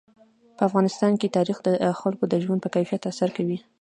په افغانستان کې تاریخ د خلکو د ژوند په کیفیت تاثیر کوي.